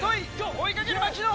追いかける槙野！